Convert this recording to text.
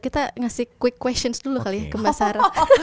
kita ngasih quick questions dulu kali ya ke mbak sarah